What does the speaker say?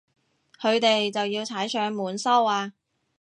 佢哋就要踩上門收啊